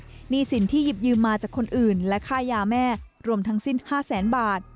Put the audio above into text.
หนี้สินที่หยิบยืมมาจากคนอื่นและค่ายาแม่รวมทั้งสิ้น๕แสนบาท